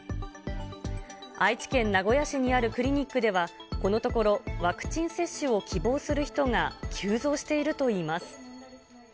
愛知県名古屋市にあるクリニックでは、このところ、ワクチン接種を希望する人が急増しているといいます。